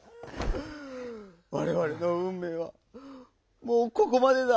われわれのうんめいはもうここまでだ。